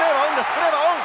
プレーはオン！